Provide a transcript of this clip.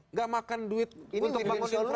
nggak makan duit untuk bangun infrastruktur